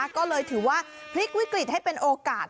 ก็เลยถือว่าพลิกวิกฤตให้เป็นโอกาส